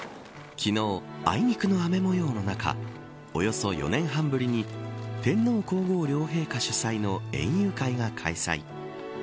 昨日、あいにくの雨模様の中およそ４年半ぶりに天皇皇后両陛下主催の園遊会が開催。